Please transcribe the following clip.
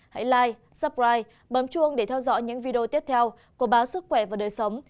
hãy like subscribe bấm chuông để theo dõi những video tiếp theo của báo sức khỏe và đời sống